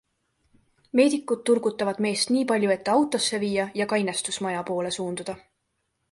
Meedikud turgutavad meest nii palju, et ta autosse viia ja kainestusmaja poole suunduda.